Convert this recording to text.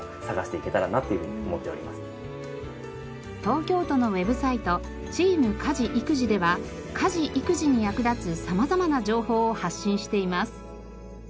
東京都のウェブサイト「ＴＥＡＭ家事・育児」では家事・育児に役立つ様々な情報を発信しています。